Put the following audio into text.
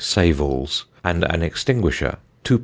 _ save alls] and an extinguisher 2_d.